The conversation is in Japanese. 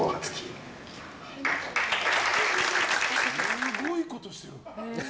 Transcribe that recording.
すごいことしてる。